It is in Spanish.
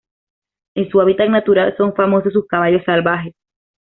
En su hábitat natural, son famosos sus caballos salvajes.